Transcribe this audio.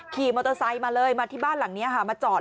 ขี่มอเตอร์ไซค์มาเลยมาที่บ้านหลังนี้ค่ะมาจอด